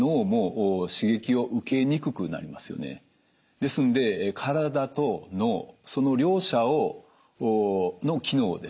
ですので体と脳その両者の機能をですね